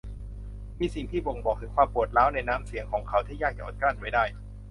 มีสิ่งที่บ่งบอกถึงความปวดร้าวในน้ำเสียงของเขาที่ยากจะอดกลั้นไว้ได้